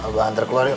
ambah antar keluar yuk